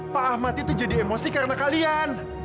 pak ahmad itu jadi emosi karena kalian